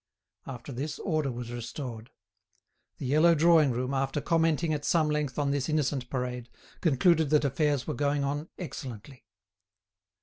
After this, order was restored. The yellow drawing room, after commenting at some length on this innocent parade, concluded that affairs were going on excellently.